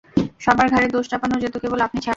সবার ঘাড়ে দোষ চাপানো যেত কেবল আপনি ছাড়া।